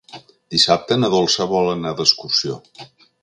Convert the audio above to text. Dissabte na Dolça vol anar d'excursió.